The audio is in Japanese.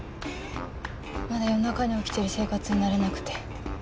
まだ夜中に起きてる生活に慣れなくて。